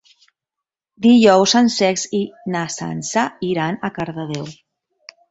Dijous en Cesc i na Sança iran a Cardedeu.